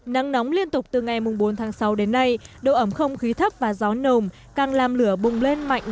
nắng nóng liên tục từ ngày bốn tháng sáu đến nay độ ẩm không khí thấp và gió nồm càng làm lửa bùng lên mạnh